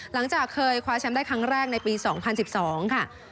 หลังจากเคยคว้าแชมป์ได้ครั้งแรกในปี๒๐๑๒ค่ะ